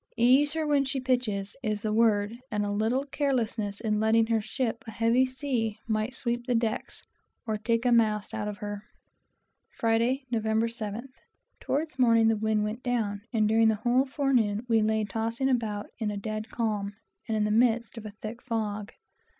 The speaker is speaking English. "Ease her when she pitches," is the word; and a little carelessness in letting her ship a heavy sea, might sweep the decks, or knock masts out of her. Friday, Nov. 7th. Towards morning the wind went down, and during the whole forenoon we lay tossing about in a dead calm, and in the midst of a thick fog.